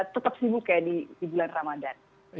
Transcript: tetap sibuk ya di bulan ramadan